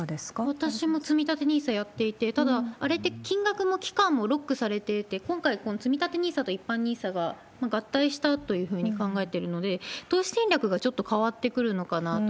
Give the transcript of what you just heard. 私もつみたてＮＩＳＡやっていて、ただ、あれって金額も期間もロックされていて、今回、このつみたてＮＩＳＡと一般ＮＩＳＡが合体したというふうに考えてるので、投資戦略がちょっと変わってくるのかなと。